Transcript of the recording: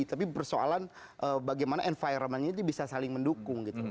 tapi persoalan bagaimana environment ini bisa saling mendukung gitu